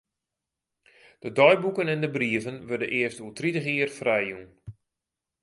De deiboeken en de brieven wurde earst oer tritich jier frijjûn.